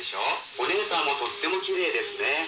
お姉さんもとってもきれいですね。